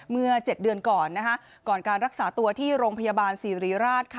เมื่อ๗เดือนก่อนก่อนการรักษาตัวที่โรงพยาบาลสิริราช